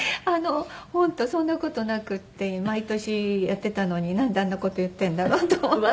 本当そんな事なくって毎年やってたのになんであんな事言ってんだろうと思って。